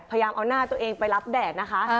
พยายามเอาหน้าตัวเองไปรับแดดนะคะ